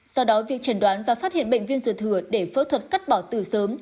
do đó việc chẩn đoán và phát hiện bệnh viêm ruột thừa để phẫu thuật cắt bỏ từ sớm